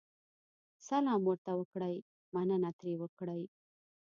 سلام ورته وکړئ، مننه ترې وکړئ.